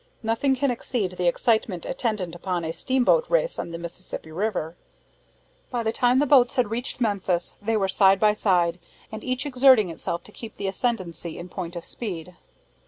Nothing can exceed the excitement attendant upon a steamboat race on the Mississippi river. By the time the boats had reached Memphis, they were side by side, and each exerting itself to keep the ascendancy in point of speed.